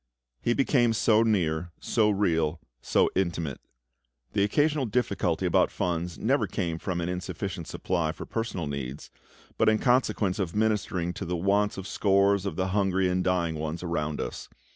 He became so near, so real, so intimate. The occasional difficulty about funds never came from an insufficient supply for personal needs, but in consequence of ministering to the wants of scores of the hungry and dying ones around us.